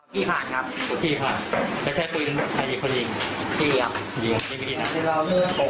พี่ผ่านครับพี่ผ่านจะใช้ปืนใครมีคนยิง